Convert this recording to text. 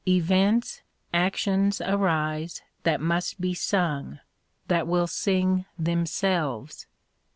Events, actions arise that must be sung, that vnll sing themselves.